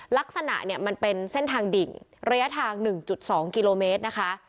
ลักษณะเนี่ยมันเป็นเส้นทางดิ่งระยะทาง๑๒กิโลเมตรนะคะ